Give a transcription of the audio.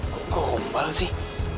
kok gombal sih